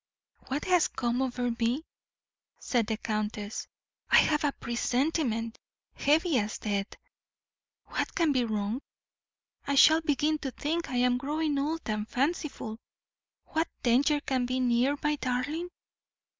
"What has come over me?" said the countess. "I have a presentiment, heavy as death! What can be wrong? I shall begin to think I am growing old and fanciful. What danger can be near my darling?"